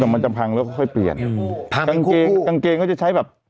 จนกับมันจะพังแล้วก็ค่อยเปลี่ยนพังให้คู่กางเกงก็จะใช้แบบ